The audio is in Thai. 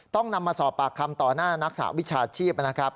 ต้องนำมาสอบปากคำต่อหน้านักสหวิชาชีพนะครับ